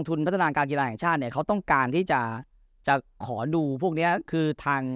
พัฒนาการกีฬาแห่งชาติเนี่ยเขาต้องการที่จะจะขอดูพวกเนี้ยคือทาง